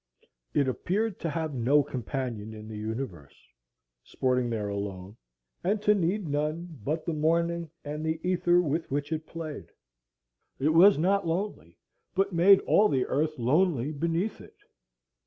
It appeared to have no companion in the universe,—sporting there alone,—and to need none but the morning and the ether with which it played. It was not lonely, but made all the earth lonely beneath it.